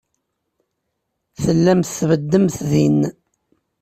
Tellamt tbeddemt din.